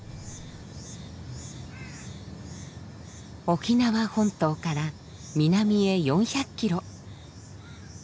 沖縄本島から南へ４００キロ。